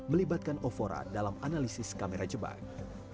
melibatkan ovora dalam analisis kamera jepang